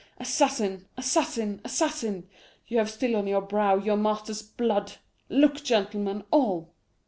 Assassin, assassin, assassin, you have still on your brow your master's blood! Look, gentlemen, all!